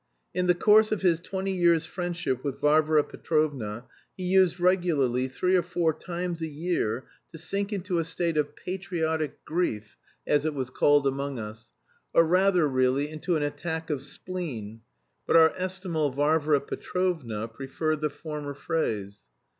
In the course of his twenty years' friendship with Varvara Petrovna he used regularly, three or four times a year, to sink into a state of "patriotic grief," as it was called among us, or rather really into an attack of spleen, but our estimable Varvara Petrovna preferred the former phrase.